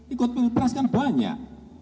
ikut p press kan banyak